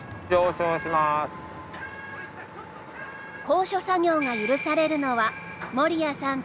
高所作業が許されるのは森谷さん